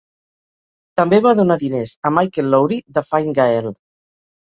També va donar diners a Michael Lowry, de Fine Gael.